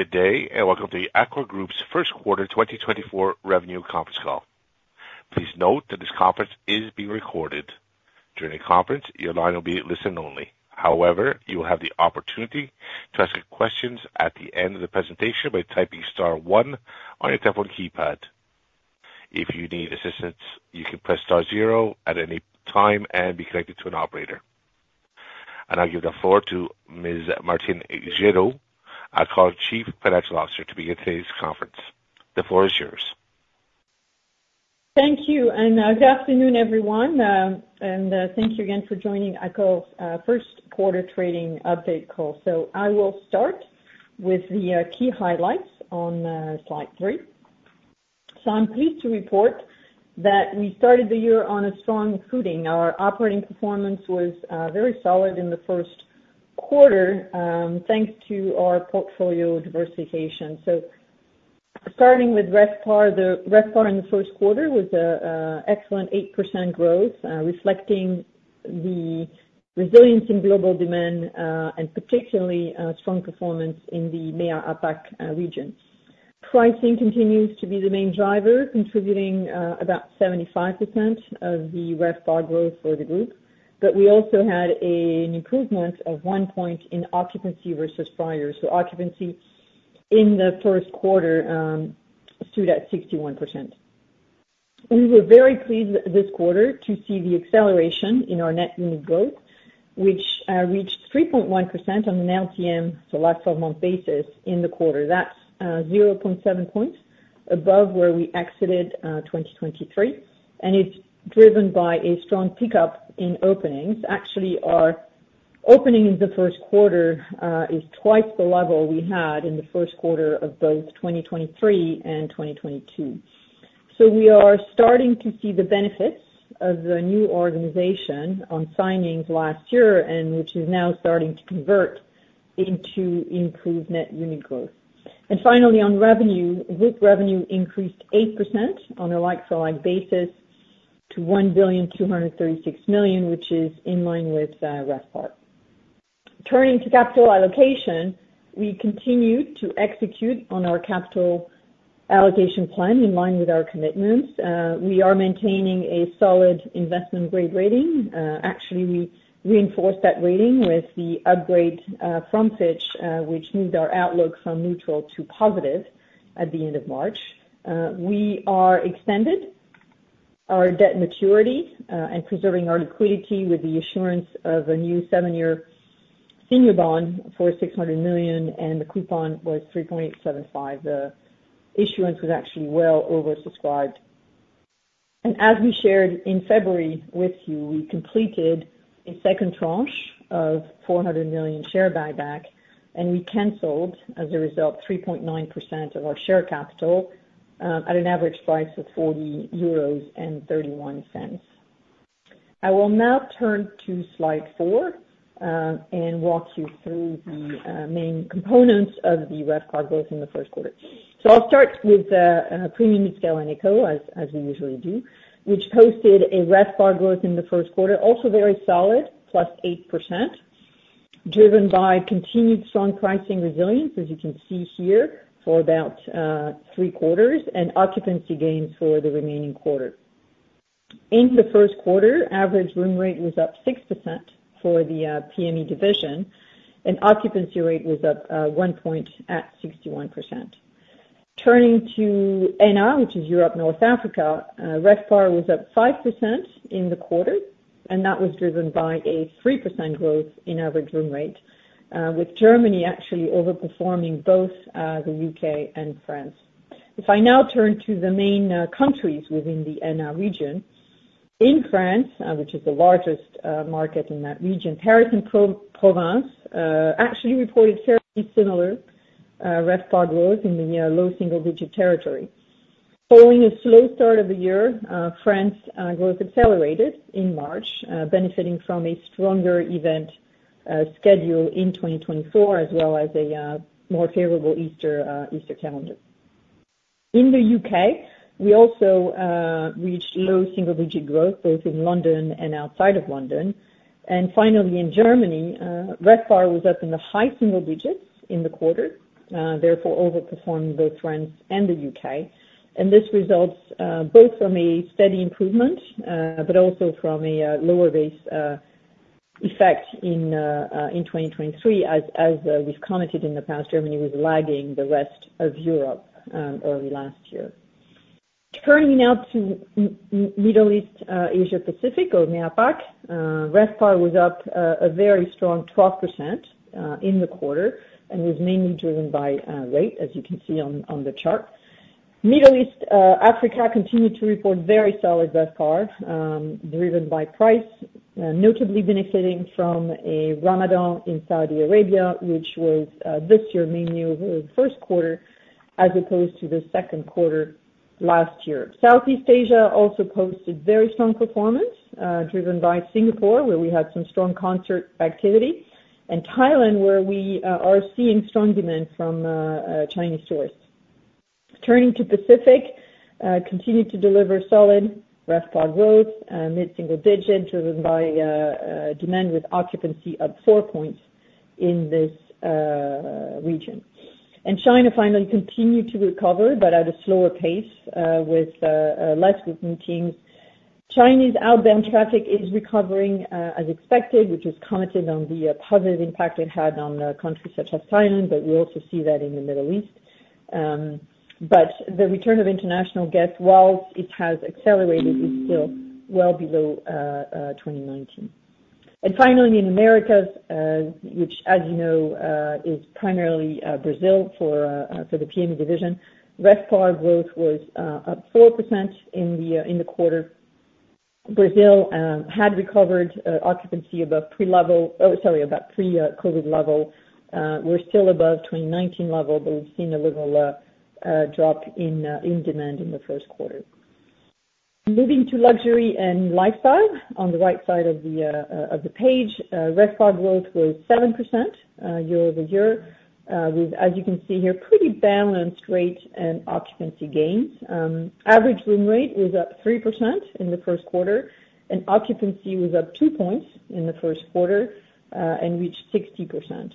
Good day and welcome to Accor's First Quarter 2024 Revenue Conference Call. Please note that this conference is being recorded. During the conference, your line will be listen-only. However, you will have the opportunity to ask questions at the end of the presentation by typing star one on your telephone keypad. If you need assistance, you can press star zero at any time and be connected to an operator. I'll give the floor to Ms. Martine Gerow, Accor's Chief Financial Officer, to begin today's conference. The floor is yours. Thank you. Good afternoon, everyone. Thank you again for joining Accor's First Quarter Trading Update Call. I will start with the key highlights on slide three. I'm pleased to report that we started the year on a strong footing. Our operating performance was very solid in the first quarter, thanks to our portfolio diversification. Starting with RevPAR, the RevPAR in the first quarter was an excellent 8% growth, reflecting the resilience in global demand, and particularly strong performance in the MEA/APAC region. Pricing continues to be the main driver, contributing about 75% of the RevPAR growth for the group. But we also had an improvement of 1 point in occupancy versus prior. Occupancy in the first quarter stood at 61%. We were very pleased this quarter to see the acceleration in our net unit growth, which reached 3.1% on an LTM, so last 12-month basis, in the quarter. That's 0.7 points above where we exited 2023. And it's driven by a strong pickup in openings. Actually, our opening in the first quarter is twice the level we had in the first quarter of both 2023 and 2022. So we are starting to see the benefits of the new organization on signings last year, and which is now starting to convert into improved net unit growth. And finally, on revenue, group revenue increased 8% on a like-for-like basis to 1,236,000,000, which is in line with RevPAR. Turning to capital allocation, we continue to execute on our capital allocation plan in line with our commitments. We are maintaining a solid investment-grade rating. Actually, we reinforced that rating with the upgrade from Fitch, which moved our outlook from neutral to positive at the end of March. We are extended our debt maturity, and preserving our liquidity with the issuance of a new 7-year senior bond for 600 million, and the coupon was 3.875%. The issuance was actually well oversubscribed. As we shared in February with you, we completed a second tranche of 400 million share buyback, and we canceled, as a result, 3.9% of our share capital, at an average price of 40.31 euros. I will now turn to slide four, and walk you through the main components of the RevPAR growth in the first quarter. I'll start with Premium, Midscale, and Economy, as we usually do, which posted a RevPAR growth in the first quarter, also very solid, +8%, driven by continued strong pricing resilience, as you can see here, for about three quarters, and occupancy gains for the remaining quarter. In the first quarter, average room rate was up 6% for the PME division, and occupancy rate was up 1 point at 61%. Turning to ENA, which is Europe and North Africa, RevPAR was up 5% in the quarter, and that was driven by a 3% growth in average room rate, with Germany actually overperforming both the U.K. and France. If I now turn to the main countries within the ENA region, in France, which is the largest market in that region, Paris and Provence actually reported fairly similar RevPAR growth in the low single-digit territory. Following a slow start of the year, France growth accelerated in March, benefiting from a stronger event schedule in 2024 as well as a more favorable Easter calendar. In the UK, we also reached low single-digit growth both in London and outside of London. Finally, in Germany, RevPAR was up in the high single digits in the quarter, therefore overperforming both France and the UK. This results both from a steady improvement but also from a lower base effect in 2023, as we've commented in the past, Germany was lagging the rest of Europe early last year. Turning now to Middle East, Asia Pacific or MEA/APAC, RevPAR was up a very strong 12% in the quarter and was mainly driven by rate, as you can see on the chart. Middle East, Africa continued to report very solid RevPAR, driven by price, notably benefiting from a Ramadan in Saudi Arabia, which was this year mainly over the first quarter as opposed to the second quarter last year. Southeast Asia also posted very strong performance, driven by Singapore, where we had some strong concert activity, and Thailand, where we are seeing strong demand from Chinese tourists. Turning to Pacific continued to deliver solid RevPAR growth, mid-single digit, driven by demand with occupancy up 4 points in this region. China finally continued to recover, but at a slower pace, with less group meetings. Chinese outbound traffic is recovering, as expected, which was commented on the positive impact it had on countries such as Thailand, but we also see that in the Middle East. But the return of international guests, while it has accelerated, is still well below 2019. And finally, in Americas, which, as you know, is primarily Brazil for the PME division, RevPAR growth was up 4% in the quarter. Brazil had recovered, occupancy above pre-COVID level. We're still above 2019 level, but we've seen a little drop in demand in the first quarter. Moving to luxury and lifestyle, on the right side of the page, RevPAR growth was 7% year-over-year, with, as you can see here, pretty balanced rate and occupancy gains. Average room rate was up 3% in the first quarter, and occupancy was up 2 points in the first quarter, and reached 60%.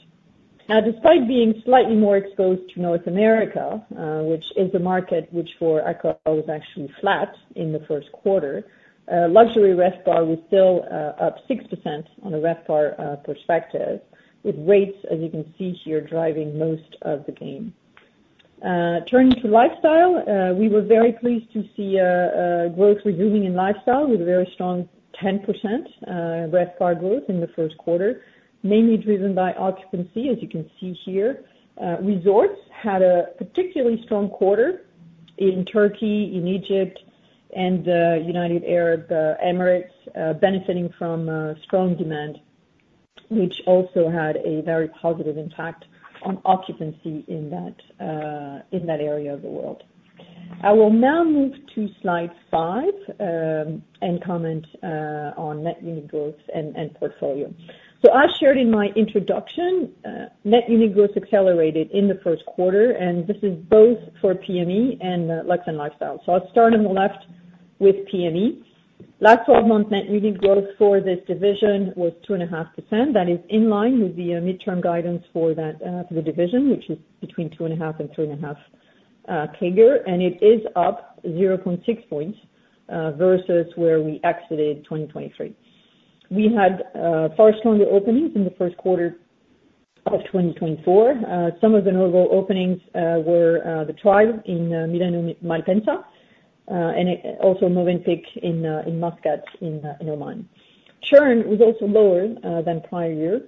Now, despite being slightly more exposed to North America, which is a market which for Accor was actually flat in the first quarter, Luxury RevPAR was still up 6% on a RevPAR perspective, with rates, as you can see here, driving most of the gain. Turning to lifestyle, we were very pleased to see growth resuming in lifestyle with a very strong 10% RevPAR growth in the first quarter, mainly driven by occupancy, as you can see here. Resorts had a particularly strong quarter in Turkey, in Egypt, and the United Arab Emirates, benefiting from strong demand, which also had a very positive impact on occupancy in that in that area of the world. I will now move to slide 5, and comment on net unit growth and portfolio. So I shared in my introduction, net unit growth accelerated in the first quarter, and this is both for PME and Luxury & Lifestyle. So I'll start on the left with PME. Last 12-month net unit growth for this division was 2.5%. That is in line with the mid-term guidance for that, for the division, which is between 2.5% and 3.5% CAGR, and it is up 0.6 points versus where we exited 2023. We had far stronger openings in the first quarter of 2024. Some of the notable openings were the TRIBE in Milano Malpensa, and also Mövenpick in Muscat in Oman. Churn was also lower than prior year,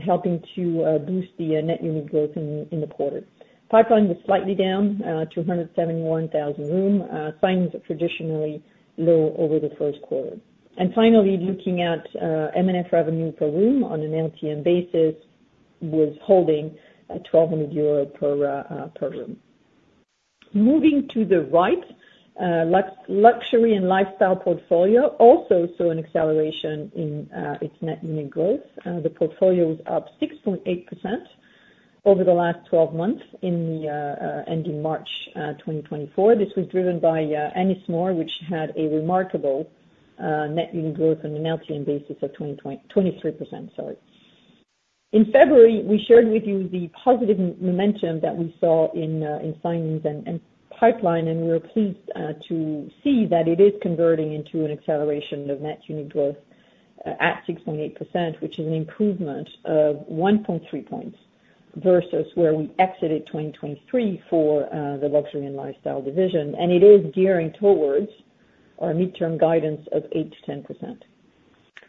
helping to boost the net unit growth in the quarter. Pipeline was slightly down 271,000 rooms. Signs traditionally low over the first quarter. Finally, looking at M&F revenue per room on an LTM basis was holding at 1,200 euro per room. Moving to the right, Luxury and Lifestyle portfolio also saw an acceleration in its net unit growth. The portfolio was up 6.8% over the last 12 months ending March 2024. This was driven by Ennismore, which had a remarkable net unit growth on an LTM basis of 20-23%, sorry. In February, we shared with you the positive momentum that we saw in signings and pipeline, and we were pleased to see that it is converting into an acceleration of net unit growth at 6.8%, which is an improvement of 1.3 points versus where we exited 2023 for the Luxury and Lifestyle division, and it is gearing towards our mid-term guidance of 8%-10%.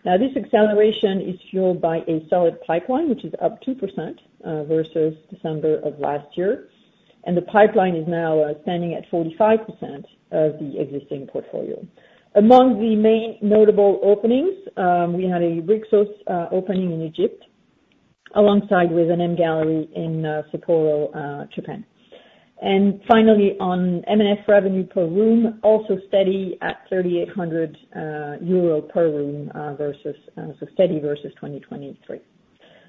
Now, this acceleration is fueled by a solid pipeline, which is up 2% versus December of last year, and the pipeline is now standing at 45% of the existing portfolio. Among the main notable openings, we had a Rixos opening in Egypt alongside an MGallery in Sapporo, Japan. Finally, on M&F revenue per room, also steady at 3,800 euro per room, so steady versus 2023.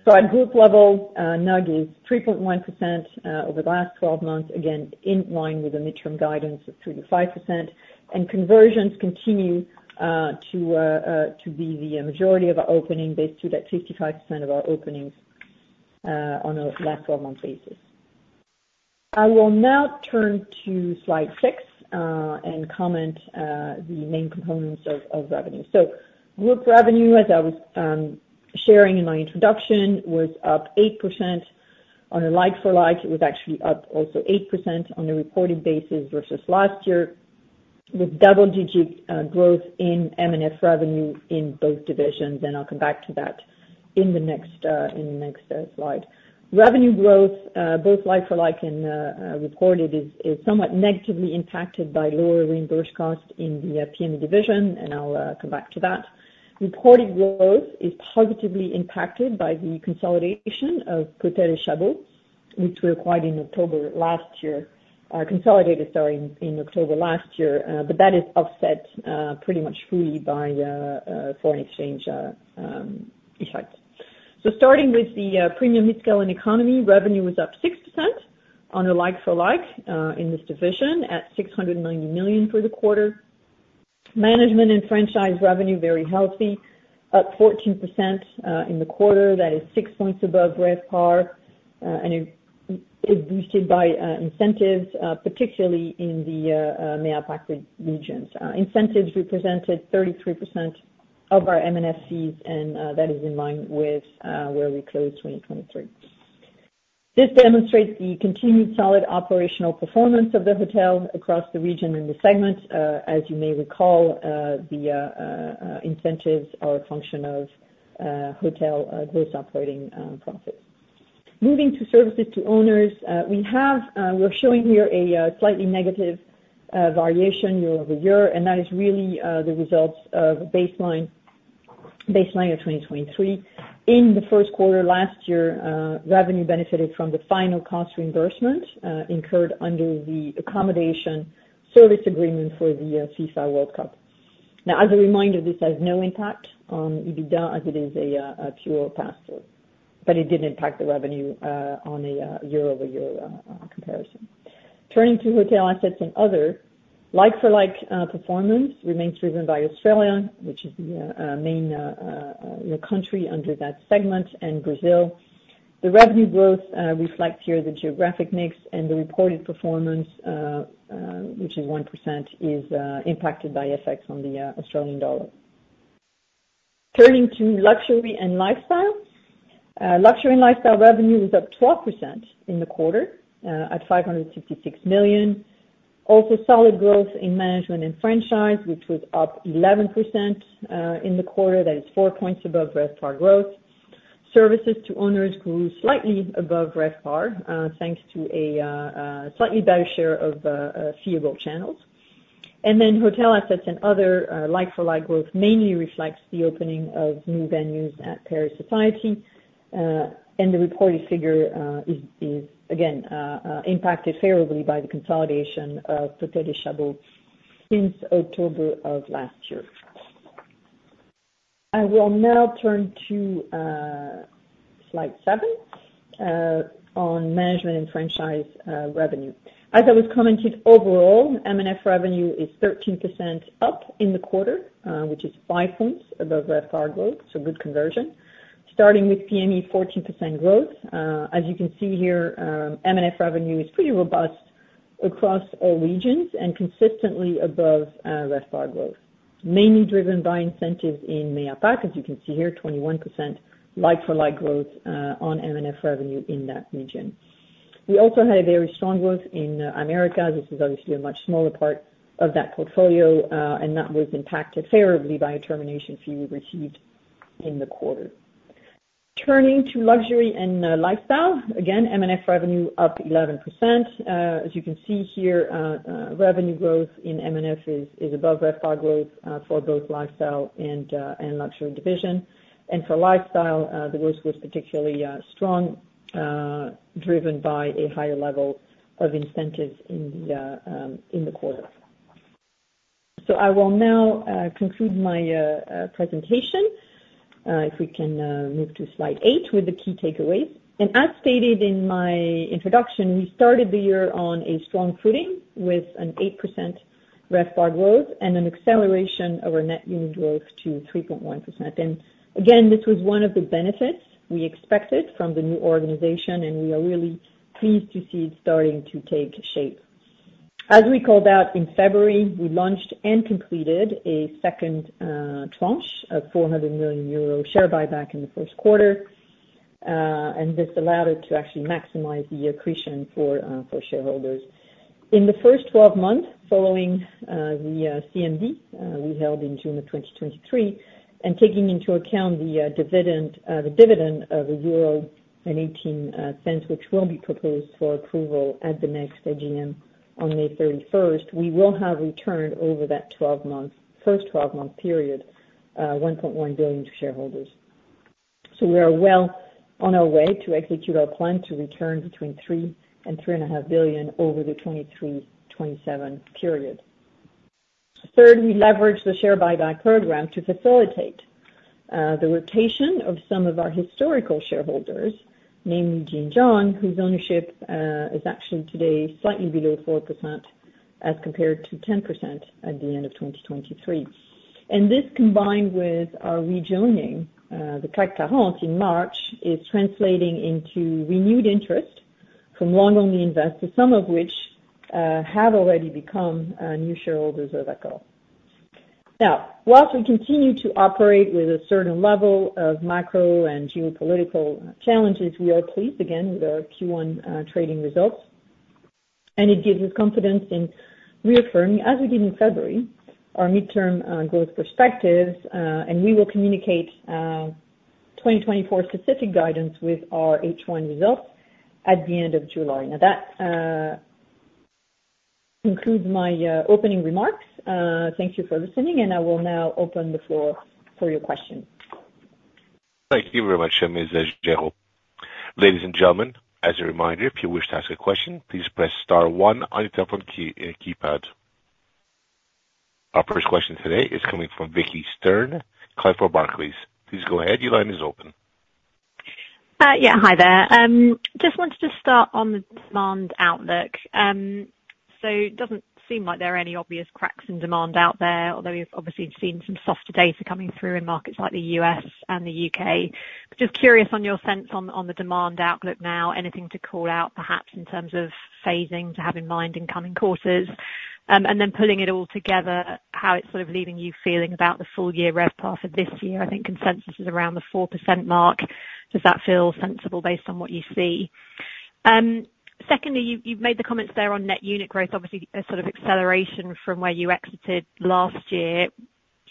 So at group level, NUG is 3.1% over the last 12 months, again in line with a mid-term guidance of 3%-5%, and conversions continue to be the majority of our opening based to that 55% of our openings on a last 12-month basis. I will now turn to slide 6 and comment the main components of revenue. So group revenue, as I was sharing in my introduction, was up 8% on a like-for-like. It was actually up also 8% on a reported basis versus last year, with double-digit growth in M&F revenue in both divisions, and I'll come back to that in the next slide. Revenue growth, both like-for-like and reported is somewhat negatively impacted by lower reimbursed cost in the PME division, and I'll come back to that. Reported growth is positively impacted by the consolidation of Potel & Chabot, which we acquired in October last year, but that is offset pretty much fully by foreign exchange effects. So starting with the Premium, Midscale and Economy, revenue was up 6% on a like-for-like in this division at 690 million for the quarter. Management and franchise revenue, very healthy, up 14% in the quarter. That is 6 points above RevPAR, and it boosted by incentives, particularly in the MEA/APAC regions. Incentives represented 33% of our M&F fees, and that is in line with where we closed 2023. This demonstrates the continued solid operational performance of the hotel across the region and the segment. As you may recall, the incentives are a function of hotel gross operating profits. Moving to services to owners, we're showing here a slightly negative variation year-over-year, and that is really the results of the baseline of 2023. In the first quarter last year, revenue benefited from the final cost reimbursement incurred under the accommodation service agreement for the FIFA World Cup. Now, as a reminder, this has no impact on EBITDA as it is a pure pass-through, but it did impact the revenue on a year-over-year comparison. Turning to hotel assets and other, like-for-like performance remains driven by Australia, which is the main, you know, country under that segment, and Brazil. The revenue growth reflects here the geographic mix, and the reported performance, which is 1%, is impacted by effects on the Australian dollar. Turning to Luxury & Lifestyle, Luxury & Lifestyle revenue was up 12% in the quarter, at 566 million. Also solid growth in management and franchise, which was up 11% in the quarter. That is 4 points above RevPAR growth. Services to owners grew slightly above RevPAR, thanks to a slightly better share of feeable channels. And then hotel assets and other, Like-for-Like growth mainly reflects the opening of new venues at Paris Society, and the reported figure is again impacted favorably by the consolidation of Potel & Chabot since October of last year. I will now turn to Slide 7 on management and franchise revenue. As I was commenting, overall, M&F revenue is 13% up in the quarter, which is 5 points above RevPAR growth, so good conversion. Starting with PME, 14% growth. As you can see here, M&F revenue is pretty robust across all regions and consistently above RevPAR growth, mainly driven by incentives in MEA/APAC, as you can see here, 21% like-for-like growth on M&F revenue in that region. We also had a very strong growth in America. This is obviously a much smaller part of that portfolio, and that was impacted favorably by a termination fee we received in the quarter. Turning to luxury and lifestyle, again, M&F revenue up 11%. As you can see here, revenue growth in M&F is above RevPAR growth for both lifestyle and luxury division. And for lifestyle, the growth was particularly strong, driven by a higher level of incentives in the quarter. I will now conclude my presentation, if we can move to slide 8 with the key takeaways. As stated in my introduction, we started the year on a strong footing with an 8% RevPAR growth and an acceleration of our net unit growth to 3.1%. Again, this was one of the benefits we expected from the new organization, and we are really pleased to see it starting to take shape. As we called out in February, we launched and completed a second tranche of 400 million euro share buyback in the first quarter, and this allowed us to actually maximize the accretion for shareholders. In the first 12 months following the CMD we held in June 2023, and taking into account the dividend of 1.18 euro, which will be proposed for approval at the next AGM on May 31st, we will have returned over that 12-month period, 1.1 billion to shareholders. So we are well on our way to execute our plan to return between 3 billion and 3.5 billion over the 2023-2027 period. Third, we leveraged the share buyback program to facilitate the rotation of some of our historical shareholders, namely Jin Jiang, whose ownership is actually today slightly below 4% as compared to 10% at the end of 2023. This combined with our rejoining the CAC 40 in March is translating into renewed interest from long-only investors, some of which have already become new shareholders of Accor. Now, while we continue to operate with a certain level of macro and geopolitical challenges, we are pleased, again, with our Q1 trading results, and it gives us confidence in reaffirming, as we did in February, our mid-term growth perspectives, and we will communicate 2024 specific guidance with our H1 results at the end of July. Now, that concludes my opening remarks. Thank you for listening, and I will now open the floor for your questions. Thank you very much, Ms. Gerow. Ladies and gentlemen, as a reminder, if you wish to ask a question, please press star 1 on your telephone keypad. Our first question today is coming from Vicki Stern, Barclays. Please go ahead. Your line is open. Yeah, hi there. Just wanted to start on the demand outlook. So it doesn't seem like there are any obvious cracks in demand out there, although we've obviously seen some softer data coming through in markets like the U.S. and the U.K. Just curious on your sense on the demand outlook now, anything to call out perhaps in terms of phasing to have in mind in coming quarters, and then pulling it all together, how it's sort of leaving you feeling about the full-year RevPAR for this year. I think consensus is around the 4% mark. Does that feel sensible based on what you see? Secondly, you've made the comments there on net unit growth, obviously a sort of acceleration from where you exited last year.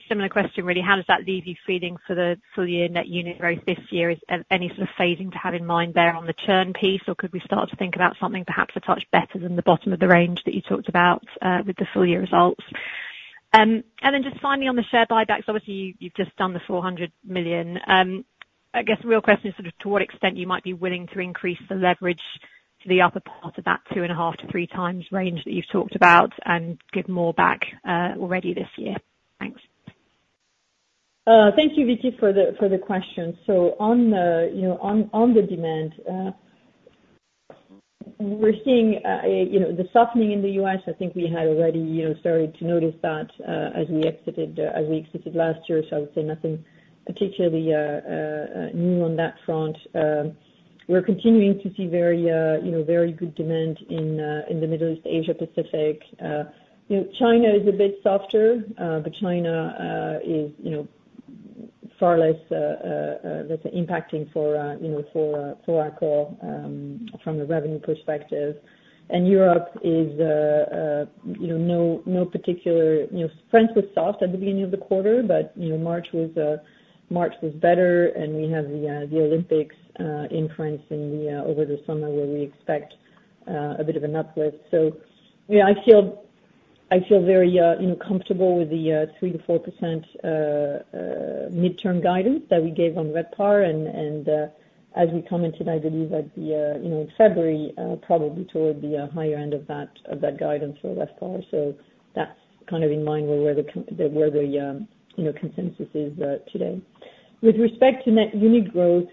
Similar question, really. How does that leave you feeling for the full-year net unit growth this year? Is any sort of phasing to have in mind there on the churn piece, or could we start to think about something perhaps a touch better than the bottom of the range that you talked about, with the full-year results? And then just finally, on the share buybacks, obviously, you've, you've just done the 400 million. I guess the real question is sort of to what extent you might be willing to increase the leverage to the upper part of that 2.5x-3x range that you've talked about and give more back, already this year. Thanks. Thank you, Vicki, for the question. So on the demand, we're seeing the softening in the US. I think we had already started to notice that, as we exited, as we exited last year, so I would say nothing particularly new on that front. We're continuing to see very very good demand in the Middle East, Asia, Pacific. China is a bit softer, but China is, far less, let's say, impacting for Accor, from a revenue perspective. And Europe is no particular France was soft at the beginning of the quarter, but March was better, and we have the, the Olympics, in France over the summer where we expect a bit of an uplift. I feel very comfortable with the 3%-4% mid-term guidance that we gave on RevPAR, and as we commented, I believe at the in February, probably toward the higher end of that guidance for RevPAR. So that's kind of in mind where the consensus is today. With respect to net unit growth,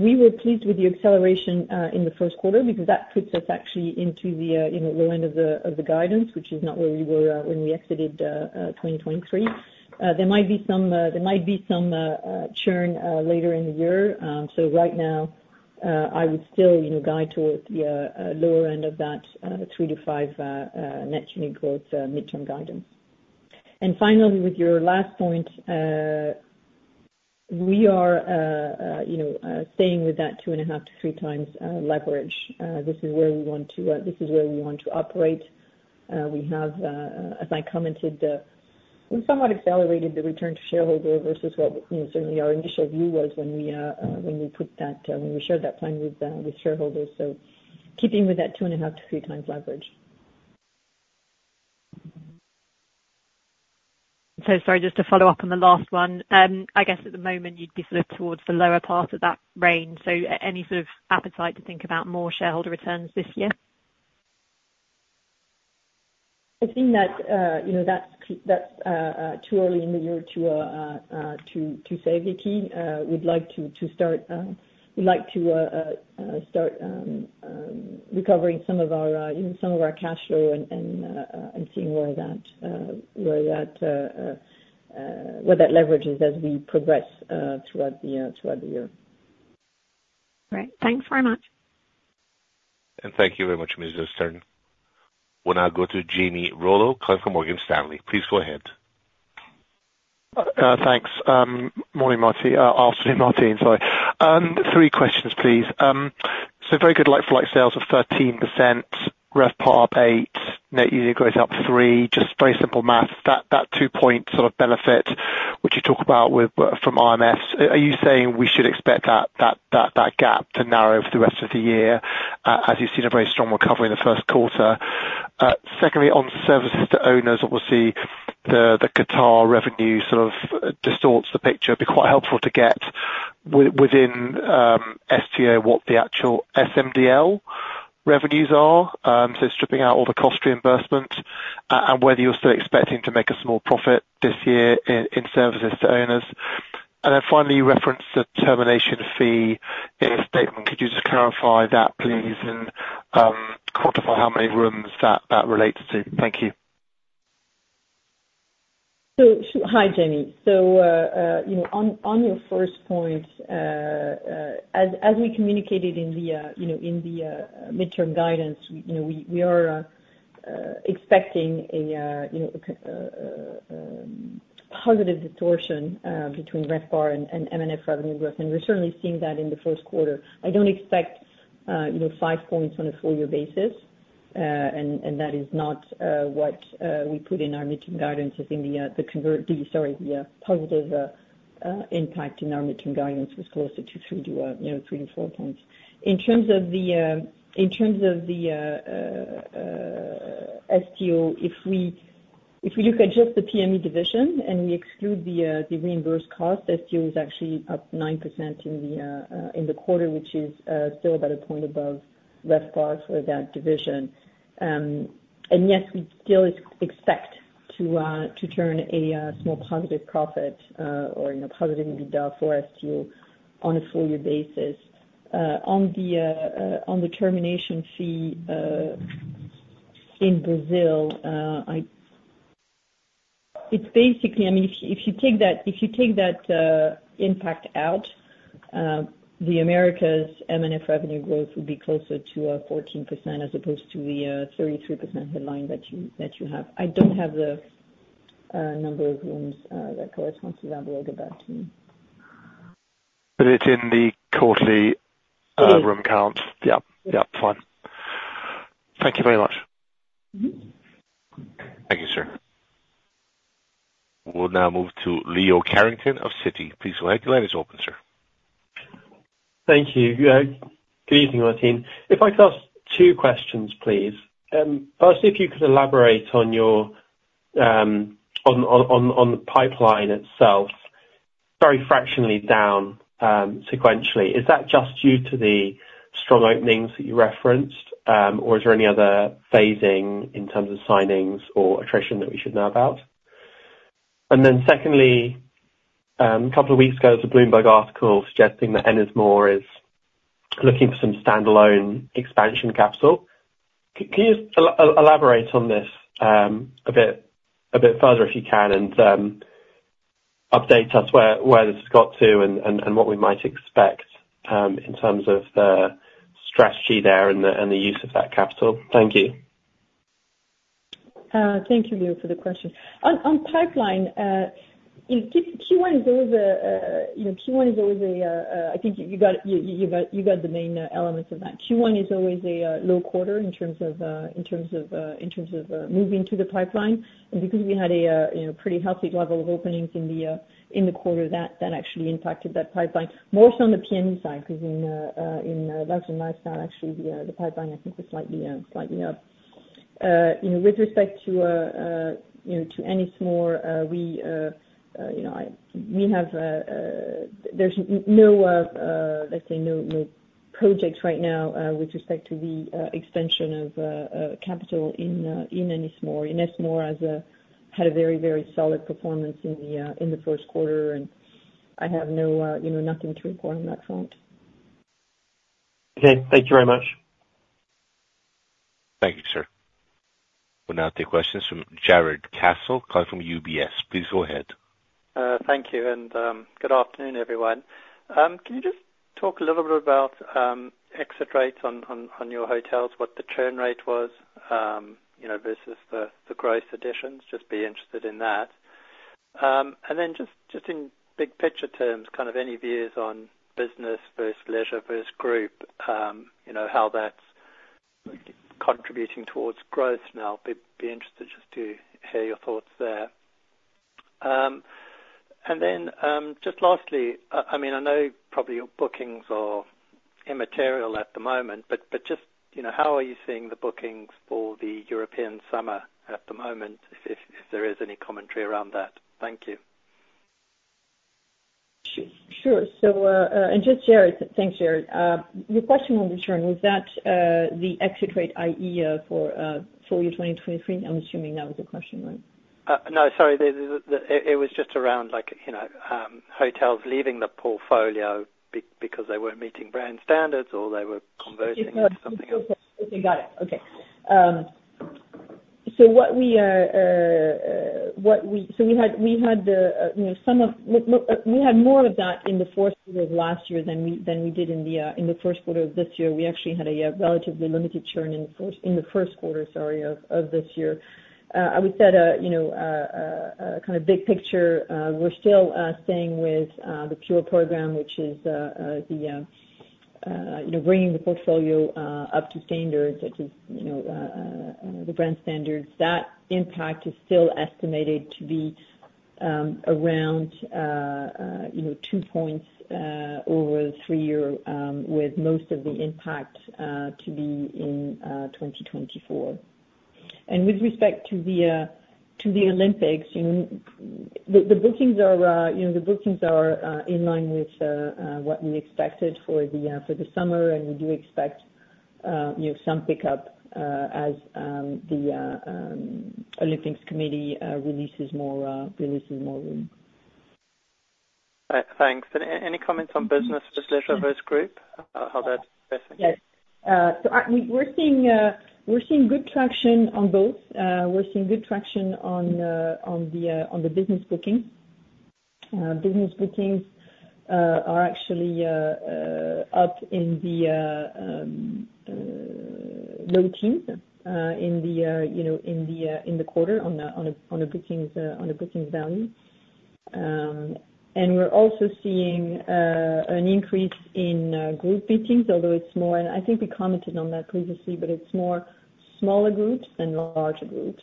we were pleased with the acceleration in the first quarter because that puts us actually into the low end of the guidance, which is not where we were when we exited 2023. There might be some churn later in the year. So right now, I would still guide towards the lower end of that 3%-5% net unit growth mid-term guidance. And finally, with your last point, we are, staying with that 2.5x-3x leverage. This is where we want to, this is where we want to operate. We have, as I commented, somewhat accelerated the return to shareholder versus what certainly our initial view was when we, when we put that, when we shared that plan with shareholders. So keeping with that 2.5x-3x leverage. So sorry, just to follow up on the last one. I guess at the moment, you'd be sort of towards the lower part of that range. So any sort of appetite to think about more shareholder returns this year? That's too early in the year to say, Vicki. We'd like to start recovering some of our, you know, some of our cash flow and seeing where that leverage is as we progress throughout the year. Great. Thanks very much. Thank you very much, Ms. Stern. We'll now go to Jamie Rollo from Morgan Stanley. Please go ahead. Thanks. Morning, Martine. Afternoon, Martine. Sorry. Three questions, please. So very good like-for-like sales of 13%, RevPAR up 8%, net unit growth up 3%. Just very simple math. That 2-point sort of benefit which you talk about from M&F, are you saying we should expect that gap to narrow for the rest of the year, as you've seen a very strong recovery in the first quarter? Secondly, on services to owners, obviously, the Qatar revenue sort of distorts the picture. It'd be quite helpful to get within STO what the actual small revenues are, so stripping out all the cost reimbursement, and whether you're still expecting to make a small profit this year in services to owners. And then finally, you referenced the termination fee in a statement. Could you just clarify that, please, and quantify how many rooms that relates to? Thank you. So, hi, Jamie. On your first point, as we communicated in the mid-term guidance we are expecting a positive distortion between RevPAR and M&F revenue growth, and we're certainly seeing that in the first quarter. I don't expect 5 points on a full-year basis, and that is not what we put in our mid-term guidance. I think the positive impact in our mid-term guidance was closer to 3-4 points. In terms of the STO, if we look at just the PME division and we exclude the reimbursed cost, STO is actually up 9% in the quarter, which is still about a point above RevPAR for that division. And yes, we'd still expect to turn a small positive profit, or positive EBIT for STO on a full-year basis. On the termination fee in Brazil, it's basically, I mean, if you take that impact out, the Americas M&F revenue growth would be closer to 14% as opposed to the 33% headline that you have. I don't have the number of rooms that corresponds to that block available to me. But it's in the quarterly room counts. Yep. Fine. Thank you very much. Thank you, sir. We'll now move to Leo Carrington of Citi. Please go ahead. Your line is open, sir. Thank you. Good evening, Martine. If I could ask two questions, please. Firstly, if you could elaborate on your on the pipeline itself, very fractionally down, sequentially. Is that just due to the strong openings that you referenced, or is there any other phasing in terms of signings or attrition that we should know about? And then secondly, a couple of weeks ago, there was a Bloomberg article suggesting that Ennismore is looking for some standalone expansion capital. Can you just elaborate on this a bit further if you can and update us where this has got to and what we might expect in terms of the strategy there and the use of that capital? Thank you. Thank you, Leo, for the question. On pipeline Q1 is always a low quarter in terms of moving to the pipeline. And I think you got the main elements of that. And because we had a pretty healthy level of openings in the quarter, that actually impacted that pipeline, more so on the PME side because in lifestyle, actually, the pipeline, I think, was slightly up. With respect to Ennismore, we have, there's no, let's say, no projects right now, with respect to the expansion of capital in Ennismore. Ennismore has had a very, very solid performance in the first quarter, and I have nothing to report on that front. Okay. Thank you very much. Thank you, sir. We'll now take questions from Jarrod Castle calling from UBS. Please go ahead. Thank you. Good afternoon, everyone. Can you just talk a little bit about exit rates on your hotels, what the churn rate was versus the gross additions? Just be interested in that. Then just, just in big picture terms, kind of any views on business versus leisure versus group how that's contributing towards growth now be interested just to hear your thoughts there. And then, just lastly I know probably your bookings are immaterial at the moment, but just how are you seeing the bookings for the European summer at the moment, if there is any commentary around that? Thank you. Sure, thanks, Jarrod. Your question on the churn, was that the exit rate, i.e., for full year 2023? I'm assuming that was the question, right? No. Sorry. It was just around, like hotels leaving the portfolio because they weren't meeting brand standards or they were converting into something else. We had more of that in the fourth quarter of last year than we did in the first quarter of this year. We actually had a relatively limited churn in the first quarter, sorry, of this year. I would say that kind of big picture, we're still staying with the Pure program, which is bringing the portfolio up to standard to the brand standards. That impact is still estimated to be around 2 points over a three-year, with most of the impact to be in 2024. With respect to the Olympics the bookings are the bookings are in line with what we expected for the summer, and we do expect some pickup, as the Olympics Committee releases more room. Thanks. Any comments on business versus leisure versus group, how that's progressing? Yes. So we're seeing, we're seeing good traction on both. We're seeing good traction on the business bookings. Business bookings are actually up in the low teens, you know, in the quarter on a bookings value. And we're also seeing an increase in group meetings, although it's more and I think we commented on that previously, but it's more smaller groups than larger groups.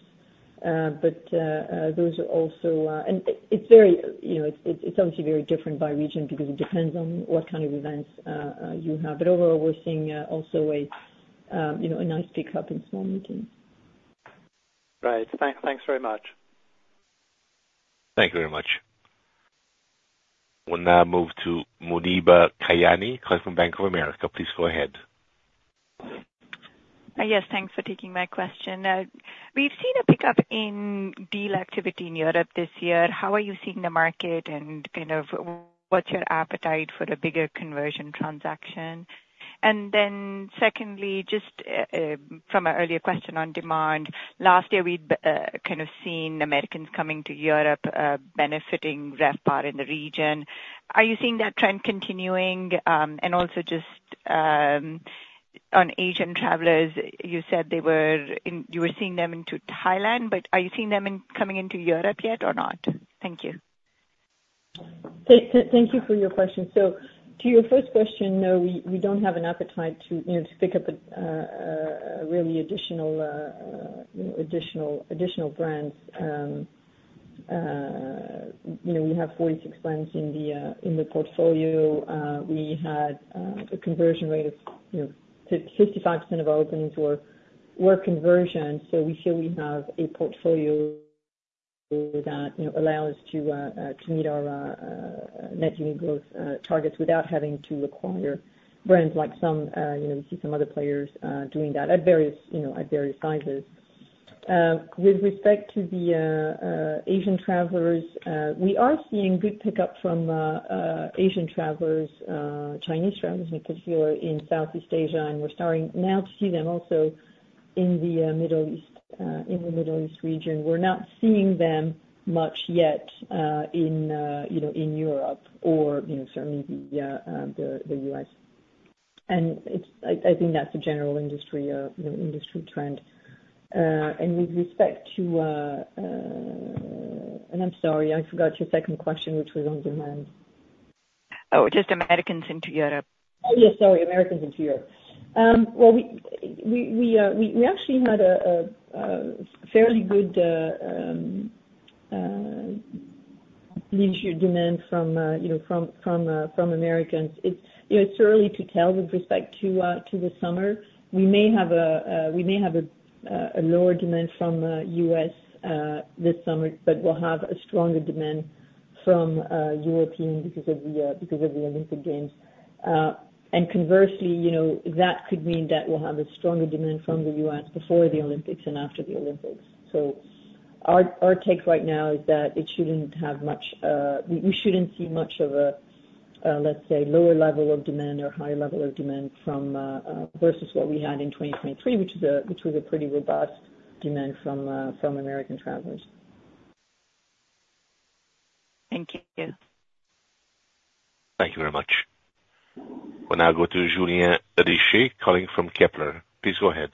But those are also, and it's very it's obviously very different by region because it depends on what kind of events you have. But overall, we're seeing also a nice pickup in small meetings. Right. Thanks very much. Thank you very much. We'll now move to Muneeba Kayani calling from Bank of America. Please go ahead. Yes. Thanks for taking my question. We've seen a pickup in deal activity in Europe this year. How are you seeing the market, and kind of what's your appetite for a bigger conversion transaction? And then secondly, just from an earlier question on demand, last year we'd kind of seen Americans coming to Europe, benefiting RevPAR in the region. Are you seeing that trend continuing, and also just on Asian travelers? You said they were in, you were seeing them into Thailand, but are you seeing them coming into Europe yet or not? Thank you. Thank you for your question. So to your first question, no, we don't have an appetite to pick up really additional brands. You know, we have 46 brands in the portfolio. We had a conversion rate of 55% of our openings were conversions, so we feel we have a portfolio that, you know, allows us to meet our Net Unit Growth targets without having to acquire brands, like some, you know, we see some other players doing that at various, you know, at various sizes. With respect to the Asian travelers, we are seeing good pickup from Asian travelers, Chinese travelers in particular in Southeast Asia, and we're starting now to see them also in the Middle East, in the Middle East region. We're not seeing them much yet, you know, in Europe or, you know, certainly the U.S. And it's, I think that's a general industry, you know, industry trend. And with respect to, and I'm sorry. I forgot your second question, which was on demand. Oh, just Americans into Europe. Oh, yes. Sorry. Americans into Europe. Well, we actually had a fairly good leisure demand from, you know, from Americans. It's, you know, it's early to tell with respect to the summer. We may have a lower demand from the U.S. this summer, but we'll have a stronger demand from Europeans because of the Olympic Games. And conversely, you know, that could mean that we'll have a stronger demand from the U.S. before the Olympics and after the Olympics. So our take right now is that it shouldn't have much, we shouldn't see much of a, let's say, lower level of demand or higher level of demand versus what we had in 2023, which was a pretty robust demand from American travelers. Thank you. Thank you very much. We'll now go to Julien Richer calling from Kepler. Please go ahead.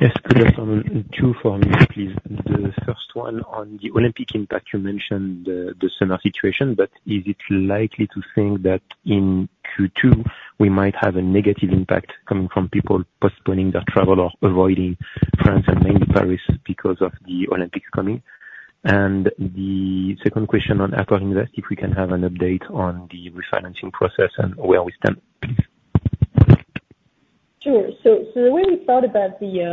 Yes. Good afternoon. Two for me, please. The first one, on the Olympic impact, you mentioned the summer situation, but is it likely to think that in Q2, we might have a negative impact coming from people postponing their travel or avoiding France and mainly Paris because of the Olympics coming? And the second question, on AccorInvest, if we can have an update on the refinancing process and where we stand, please. Sure. So the way we thought about the, you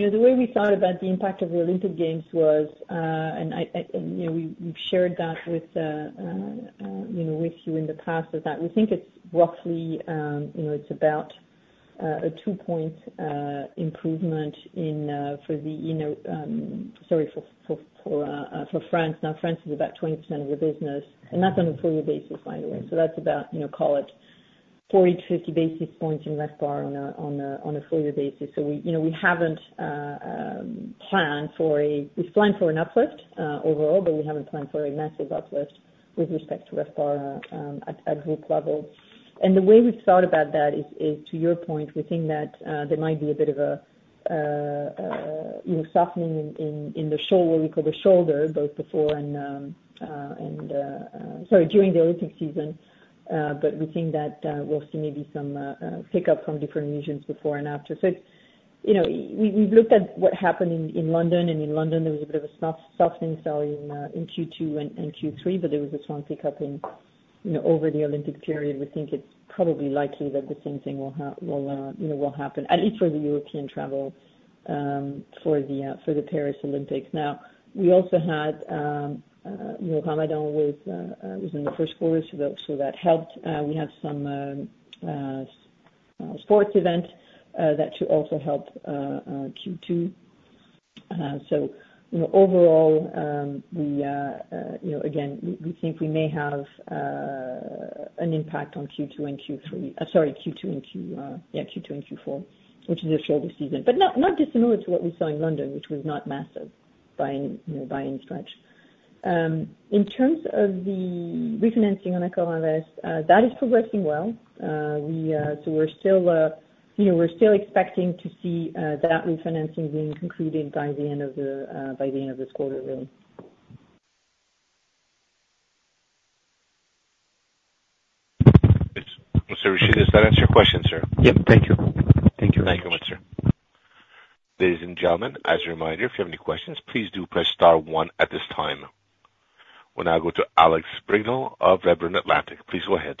know, the way we thought about the impact of the Olympic Games was, and I, you know, we, we've shared that with, you know, with you in the past, is that we think it's roughly, you know, it's about a 2-point improvement in, for the, you know, sorry, for France. Now, France is about 20% of the business, and that's on a full-year basis, by the way. So that's about, you know, call it 40-50 basis points in RevPAR on a full-year basis. So we, you know, we haven't planned for a, we've planned for an uplift, overall, but we haven't planned for a massive uplift with respect to RevPAR, at group level. And the way we've thought about that is to your point, we think that there might be a bit of a, you know, softening in the shoulder we call the shoulder, both before and during the Olympic season. But we think that we'll see maybe some pickup from different regions before and after. So it's, you know, we, we've looked at what happened in, in London, and in London, there was a bit of a softening, sorry, in, in Q2 and, and Q3, but there was a strong pickup in, you know, over the Olympic period. We think it's probably likely that the same thing will, you know, will happen, at least for the European travel, for the, for the Paris Olympics. Now, we also had, you know, Ramadan was in the first quarter, so that helped. We had some sports event that should also help Q2. Overall, we again, we think we may have an impact on Q2 and Q3, sorry, Q2 and Q4, which is the shoulder season, but not dissimilar to what we saw in London, which was not massive by any stretch, you know. In terms of the refinancing on AccorInvest, that is progressing well. So we're still, you know, we're still expecting to see that refinancing being concluded by the end of this quarter, really. Mr. Richer, does that answer your question, sir? Yep. Thank you. Thank you very much. Thank you, sir. Ladies and gentlemen, as a reminder, if you have any questions, please do press star 1 at this time. We'll now go to Alex Brignall of Redburn Atlantic. Please go ahead.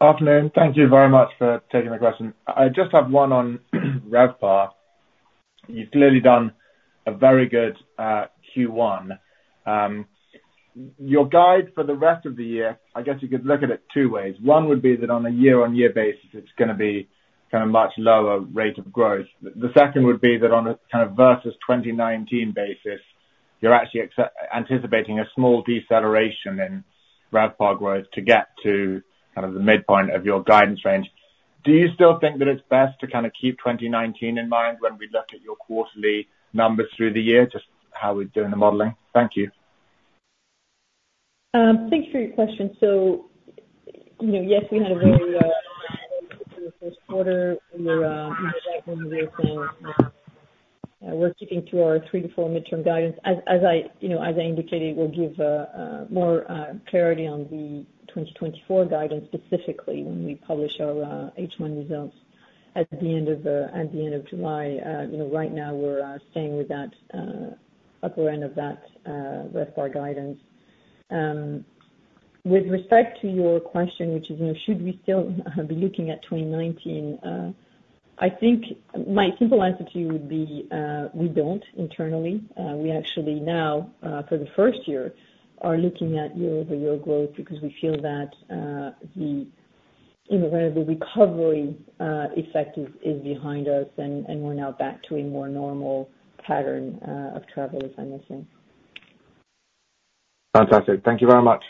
Afternoon. Thank you very much for taking the question. I just have one on RevPAR. You've clearly done a very good Q1. Your guide for the rest of the year, I guess you could look at it two ways. One would be that on a year-on-year basis, it's going to be kind of much lower rate of growth. The second would be that on a kind of versus 2019 basis, you're actually anticipating a small deceleration in RevPAR growth to get to kind of the midpoint of your guidance range. Do you still think that it's best to kind of keep 2019 in mind when we look at your quarterly numbers through the year, just how we're doing the modeling? Thank you. Thank you for your question. Yes, we had a very, in the first quarter, we were, you know, that one we were saying, we're keeping to our 3-4 midterm guidance. As I indicated, we'll give more clarity on the 2024 guidance specifically when we publish our H1 results at the end of July. You know, right now, we're staying with that upper end of that RevPAR guidance. With respect to your question, which is, you know, should we still be looking at 2019, I think my simple answer to you would be, we don't internally. We actually now, for the first year, are looking at year-over-year growth because we feel that the, you know, kind of the recovery effect is behind us, and we're now back to a more normal pattern of travel, if I'm not saying. Fantastic. Thank you very much.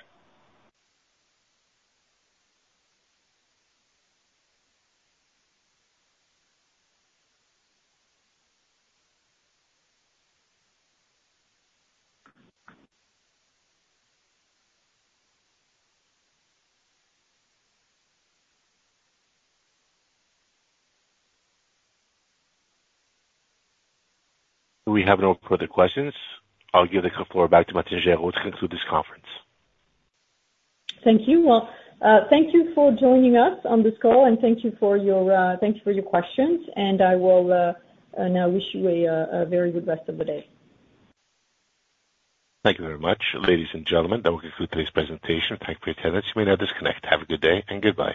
We have no further questions. I'll give the floor back to Martine Gerow to conclude this conference. Thank you. Well, thank you for joining us on this call, and thank you for your, thank you for your questions. I will, now wish you a, a very good rest of the day. Thank you very much. Ladies and gentlemen, that will conclude today's presentation. Thank you for your attendance. You may now disconnect. Have a good day and goodbye.